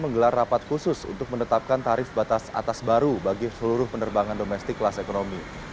menggelar rapat khusus untuk menetapkan tarif batas atas baru bagi seluruh penerbangan domestik kelas ekonomi